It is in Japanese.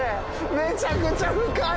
めちゃくちゃ深い！